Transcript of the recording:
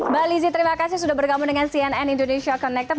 mbak lizzie terima kasih sudah bergabung dengan cnn indonesia connected